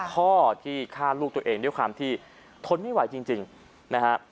พ่อที่ฆ่าลูกตัวเองด้วยความที่ทนไม่ไหวจริงนะฮะ